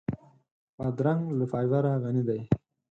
بادرنګ له فایبره غني دی.